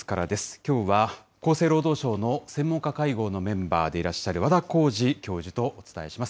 きょうは厚生労働省の専門家会合のメンバーでいらっしゃる和田耕治教授とお伝えします。